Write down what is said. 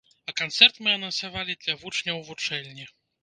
А канцэрт мы анансавалі для вучняў вучэльні.